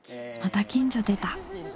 また近所でた！